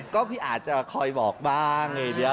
ก็พี่อาจจะคอยบอกบ้าง